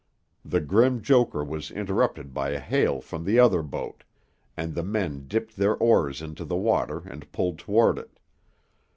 The grim joker was interrupted by a hail from the other boat, and the men dipped their oars into the water, and pulled toward it.